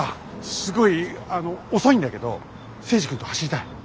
すごいあの遅いんだけど征二君と走りたい。